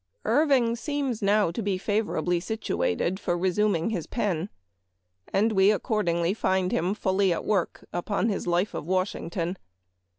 Irving seems now to be favorably situated for resuming his pen, and we accordingly find him fully at work upon his " Life of Washington."